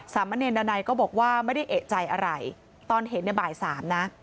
มะเนรดานัยก็บอกว่าไม่ได้เอกใจอะไรตอนเห็นในบ่ายสามนะ